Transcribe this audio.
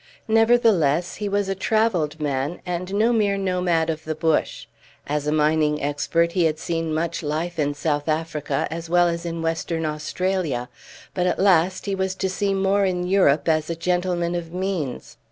Nevertheless, he was a travelled man, and no mere nomad of the bush. As a mining expert he had seen much life in South Africa as well as in Western Australia, but at last he was to see more in Europe as a gentleman of means.